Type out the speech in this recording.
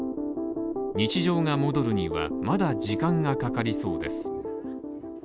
日常が戻るには、まだ時間がかかりそうです。